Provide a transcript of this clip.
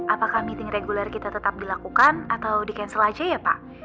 apakah meeting reguler kita tetap dilakukan atau di cancel aja ya pak